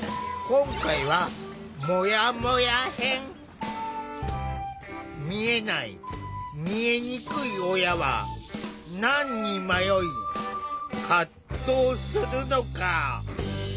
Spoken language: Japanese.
今回は見えない見えにくい親は何に迷い葛藤するのか。